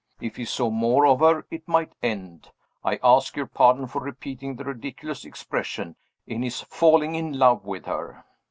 If he saw more of her, it might end I ask your pardon for repeating the ridiculous expression in his "falling in love with her."